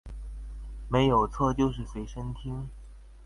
沒有錯就是隨身聽